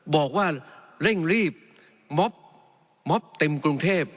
บอกว่าเร่งรีบม็อบเต็มกรุงเทพ